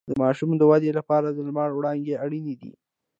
د ماشوم د ودې لپاره د لمر وړانګې اړینې دي